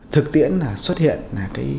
thực tiễn là xuất hiện là cái tỉnh này